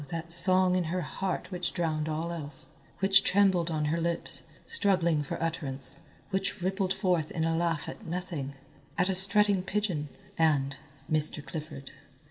that song in her heart which drowned all else, which trembled on her lips, struggling for utterance, which rippled forth in a laugh at nothing, at a strutting pigeon, and Mr. Clifford.